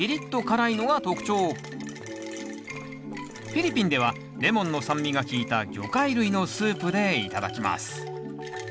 フィリピンではレモンの酸味が利いた魚介類のスープで頂きます。